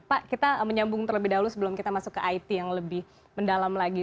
pak kita menyambung terlebih dahulu sebelum kita masuk ke it yang lebih mendalam lagi